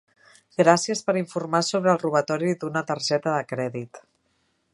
Gràcies per informar sobre el robatori d'una targeta de crèdit.